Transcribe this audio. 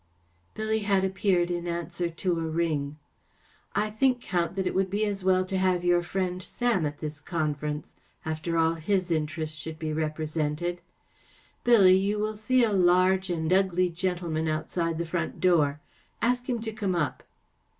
Billy had appeared in answer to a ring. “ I think, Count, that it would be as well to have your friend Sam at this conference. After all, his interests should be repre¬ sented. Billy, you will see a large and ugly gentleman outside the front door. Ask him to come up."